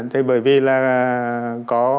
thế bởi vì là có